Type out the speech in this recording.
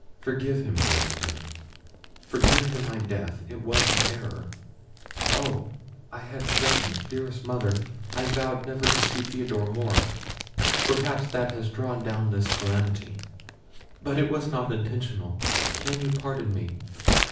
forgive him, dearest mother—forgive him my death; it was an error. Oh! I had forgotten—dearest mother, I vowed never to see Theodore more—perhaps that has drawn down this calamity—but it was not intentional—can you pardon me?"